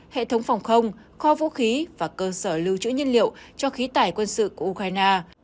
hệ thống phòng không kho vũ khí và cơ sở lưu trữ nhân liệu cho khí tải quân sự của ukraine